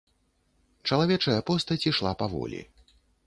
Чалавечая постаць ішла паволі.